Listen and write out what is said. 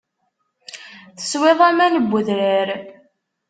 Teswiḍ aman n wedrar.